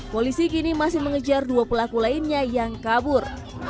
polisi kini masih mengejar dua pelaku lainnya yang kabur